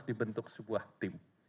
dibentuk sebuah tim